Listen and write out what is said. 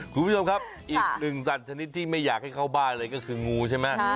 คุณผู้ชมครับอีกหนึ่งสัตว์ชนิดที่ไม่อยากให้เข้าบ้านเลยก็คืองูใช่ไหม